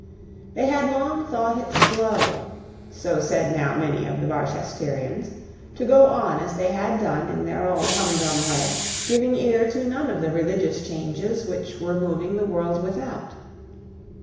They had long thought it slow, so said now may of the Barchesterians, to go on as they had done in their old humdrum way, giving ear to none of the religious changes which were moving the world without.